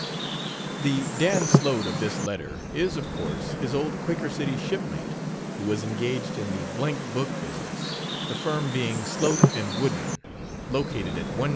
The Dan Slote of this letter is, of course, his old Quaker City shipmate, who was engaged in the blank book business, the firm being Slote & Woodman, located at 119 and 121 William Street, New York.